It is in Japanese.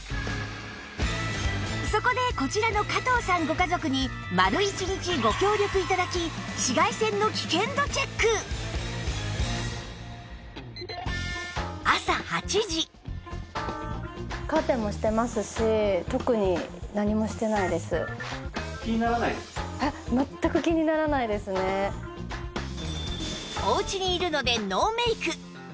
そこでこちらの加藤さんご家族に丸一日ご協力頂きおうちにいるのでノーメイク